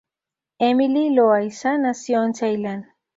Emily Louisa nació en Ceilán.